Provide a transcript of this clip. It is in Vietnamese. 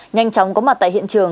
nhanh chóng có mặt tại hiện trường